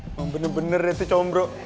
emang bener bener ya tuh combro